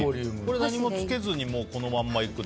何もつけずにこのままいくの？